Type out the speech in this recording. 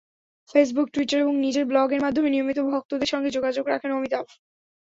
Facebook, Twitter এবং নিজের ব্লগের মাধ্যমে নিয়মিত ভক্তদের সঙ্গে যোগাযোগ রাখেন অমিতাভ।